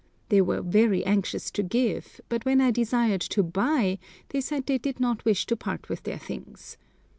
They were very anxious to give, but when I desired to buy they said they did not wish to part with their things.